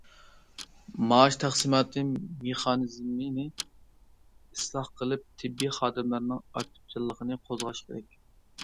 مائاش تەقسىماتى مېخانىزمىنى ئىسلاھ قىلىپ، تېببىي خادىملارنىڭ ئاكتىپچانلىقىنى قوزغاش كېرەك.